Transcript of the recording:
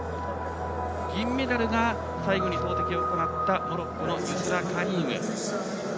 銀メダルが最後に投てきを行ったモロッコのユスラ・カリーム。